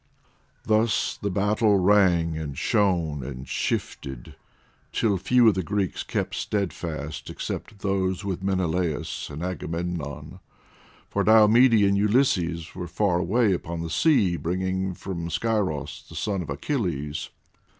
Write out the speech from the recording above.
Thus the battle rang, and shone, and shifted, till few of the Greeks kept steadfast, except those with Menelaus and Agamemnon, for Diomede and Ulysses were far away upon the sea, bringing from Scyros the son of Achilles.